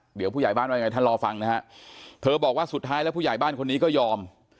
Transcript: เดี๋ยวผู้ใหญ่บ้านว่ายังไงท่านรอฟังนะฮะเธอบอกว่าสุดท้ายแล้วผู้ใหญ่บ้านคนนี้ก็ยอม